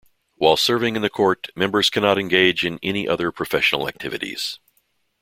While serving in the Court, members cannot engage in any other professional activities.